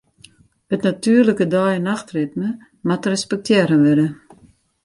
It natuerlike dei- en nachtritme moat respektearre wurde.